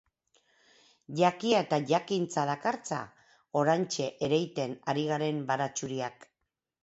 Jakia eta jakintza dakartza oraintxe ereiten ari garen baratxuriak.